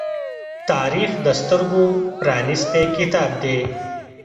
تاریخ د سترگو پرانیستی کتاب دی.